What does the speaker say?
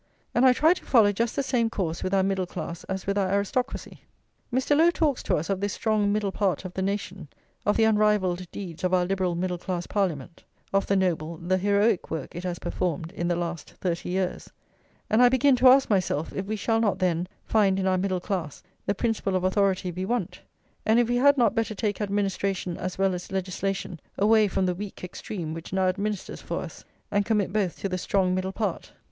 And I try to follow just the same course with our middle class as with our aristocracy. Mr. Lowe talks to us of this strong middle part of the nation, of the unrivalled deeds of our liberal middle class Parliament, of the noble, the heroic work it has performed in the last thirty years; and I begin to ask myself if we shall not, then, find in our middle class the principle of authority we want, and if we had not better take administration as well as legislation away from the weak extreme which now administers for us, and commit both to the strong middle part.